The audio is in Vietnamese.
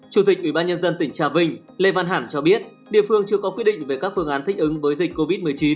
chủ tịch ủy ban nhân dân tỉnh trà vinh lê văn hẳn cho biết địa phương chưa có quyết định về các phương án thích ứng với dịch covid một mươi chín